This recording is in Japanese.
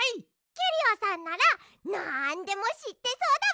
キュリオさんならなんでもしってそうだもんね。